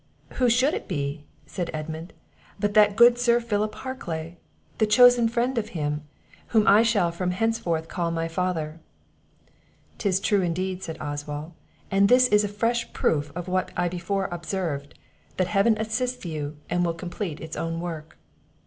"Who should it be," said Edmund, "but that good Sir Philip Harclay, the chosen friend of him, whom I shall from henceforward call my father." "'Tis true indeed," said Oswald; "and this is a fresh proof of what I before observed, that Heaven assists you, and will complete its own work."